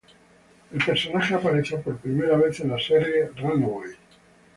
El personaje apareció por primera vez en la serie "Runaways".